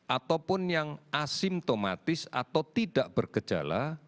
ataupun yang asimptomatis atau tidak berkejala